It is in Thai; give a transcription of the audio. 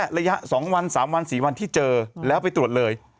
ระยะ๒วัน๓วัน๔วันที่เจอแล้วไปตรวจเลย